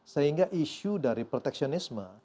sehingga isu dari protectionisme